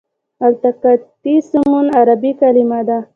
التقاطي سمون عربي کلمه ده.